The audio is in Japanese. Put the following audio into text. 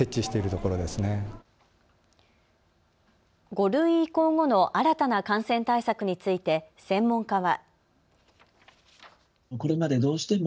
５類移行後の新たな感染対策について専門家は。